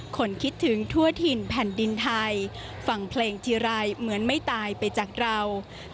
คนคิดถึงทั่วถิ่นแผ่นดินไทยฟังเพลงทีไรเหมือนไม่ตายไปจากเรา